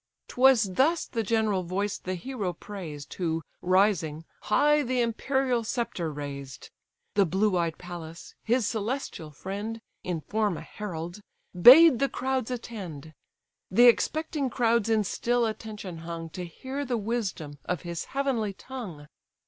'Twas thus the general voice the hero praised, Who, rising, high the imperial sceptre raised: The blue eyed Pallas, his celestial friend, (In form a herald,) bade the crowds attend. The expecting crowds in still attention hung, To hear the wisdom of his heavenly tongue.